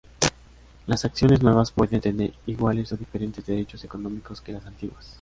Las acciones nuevas pueden tener iguales o diferentes derechos económicos que las antiguas.